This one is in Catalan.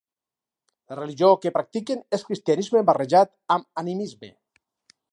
La religió que practiquen és cristianisme barrejat amb animisme.